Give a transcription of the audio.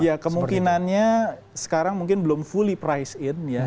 ya kemungkinannya sekarang mungkin belum fully price in ya